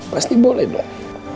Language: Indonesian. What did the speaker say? pasti boleh dong